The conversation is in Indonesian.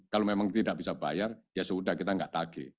kalau memang tidak bisa bayar ya sudah kita nggak tagi